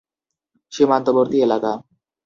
সীমান্তবর্তী এলাকা।